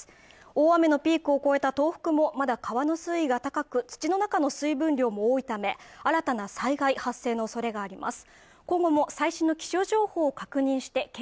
大雨のピークを越えた東北もまだ川の水位が高く土の中の水分量も多いため新たな災害発生のおそれがあります